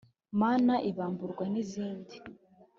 mana ibamburwa n’izindi